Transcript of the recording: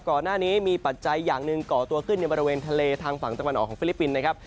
ก่อนหน้านี้มีปัจจัยอย่างหนึ่งก่อตัวขึ้นในบริเวณทะเลทางฝั่งตะวันออกของฟิลิปปินส์นะครับ